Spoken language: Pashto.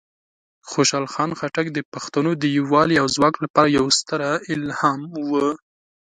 خوشحال خان خټک د پښتنو د یوالی او ځواک لپاره یوه ستره الهام وه.